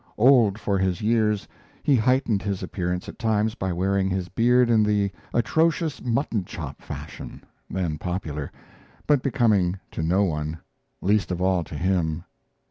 Old for his years, he heightened his appearance at times by wearing his beard in the atrocious mutton chop fashion, then popular, but becoming to no one, least of all to him.